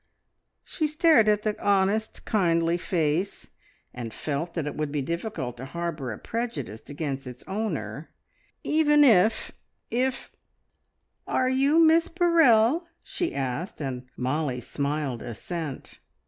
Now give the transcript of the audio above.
She stared at the honest, kindly face, and felt that it would be difficult to harbour a prejudice against its owner, even if if "Are you Miss Burrell?" she asked, and Mollie smiled assent.